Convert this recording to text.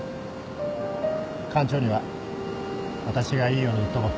館長には私がいいように言っとこう。